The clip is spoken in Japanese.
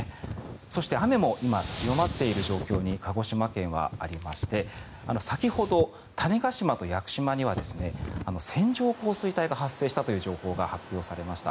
そして雨も今、強まっている状況に鹿児島県はありまして先ほど、種子島と屋久島には線状降水帯が発生したという情報が発表されました。